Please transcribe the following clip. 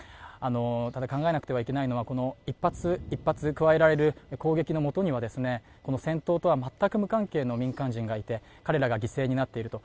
ただ、考えなくてはいけないのは、この１発、１発加えられる攻撃のもとには戦闘とは全く無関係の民間人がいて、彼らが犠牲になっていると。